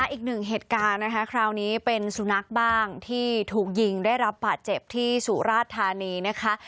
อีกหนึ่งเหตุการณ์นะคะคราวนี้เป็นสุนัขบ้างที่ถูกยิงได้รับบาดเจ็บที่สุราชธานีนะคะ